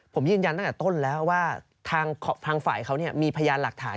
ผมยืนยันตั้งแต่ต้นแล้วว่าทางฝ่ายเขามีพยานหลักฐาน